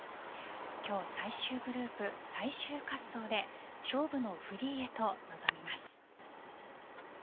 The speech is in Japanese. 今日、最終グループ最終滑走で勝負のフリーへと臨みます。